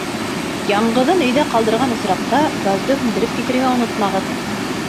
Яңғыҙын өйҙә ҡалдырған осраҡта газды һүндереп китергә онотмағыҙ.